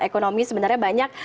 ekonomi sebenarnya banyak